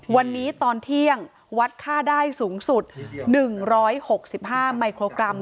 วันนี้ตอนเที่ยงวัดค่าได้สูงสุด๑๖๕มิโครกรัม